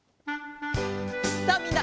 さあみんな！